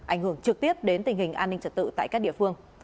ảnh hưởng trực tiếp đến tình hình an ninh trật tự tại các địa phương